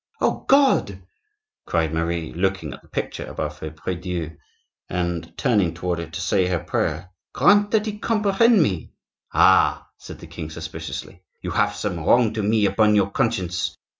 "O God!" cried Marie, looking at the picture above her prie dieu and turning toward it to say her prayer, "grant that he comprehend me!" "Ah!" said the king suspiciously, "you have some wrong to me upon your conscience!"